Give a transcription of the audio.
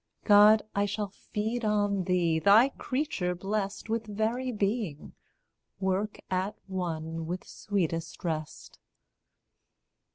God, I shall feed on thee, thy creature blest With very being work at one with sweetest rest.